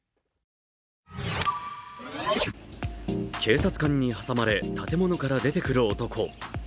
警察官に挟まれ建物から出てくる男。